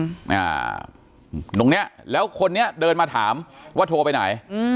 อ่าตรงเนี้ยแล้วคนนี้เดินมาถามว่าโทรไปไหนอืม